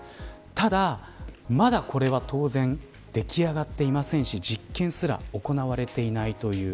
ただ、まだこれは当然出来上がっていませんし実験すら行われていないという。